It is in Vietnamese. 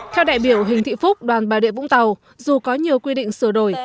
theo đại biểu hình thị phúc đoàn bà địa vũng tàu dù có nhiều quy định sửa đổi